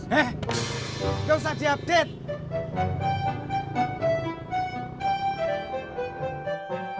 he gak usah di update